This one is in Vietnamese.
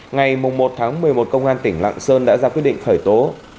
ngày một một mươi một một mươi một công an tỉnh lạng sơn đã ra quyết định khởi tố